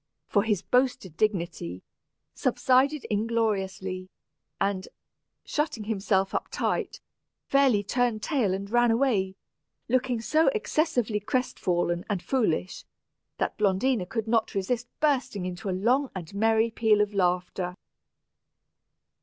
for his boasted dignity, subsided ingloriously, and, shutting himself up tight, fairly turned tail and ran away, looking so excessively crest fallen and foolish that Blondina could not resist bursting into a long and merry peal of laughter.